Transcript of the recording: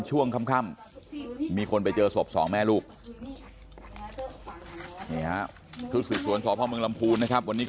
ช่วงคำมีคนไปเจอสบสองแม่ลูกนี่ฮะทุกศิษย์สวนสพรลมพูนนะครับ